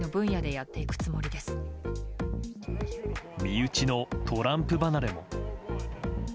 身内のトランプ離れも。